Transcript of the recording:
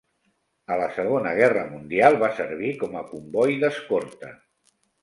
A la Segona Guerra Mundial va servir com a comboi d'escorta.